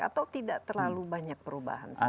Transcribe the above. atau tidak terlalu banyak perubahan